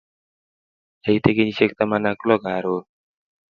Aite kenyisiek taman ak lo karon